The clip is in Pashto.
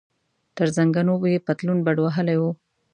تر زنګنو یې پتلون بډ وهلی و.